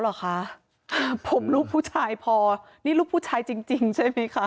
เหรอคะผมลูกผู้ชายพอนี่ลูกผู้ชายจริงจริงใช่ไหมคะ